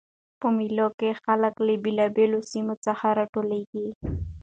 په مېلو کښي خلک له بېلابېلو سیمو څخه راټولیږي.